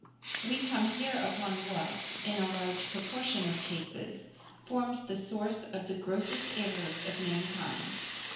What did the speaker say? We come here upon what, in a large proportion of cases, forms the source of the grossest errors of mankind.